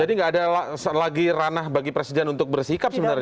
jadi nggak ada lagi ranah bagi presiden untuk bersikap sebenarnya ya